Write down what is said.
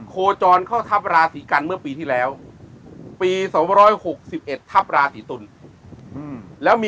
โคจรเขาทัพราศรีกันเมื่อปีที่แล้ว